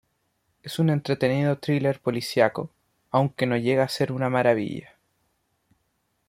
Es un entretenido thriller policíaco, aunque no llega a ser una maravilla.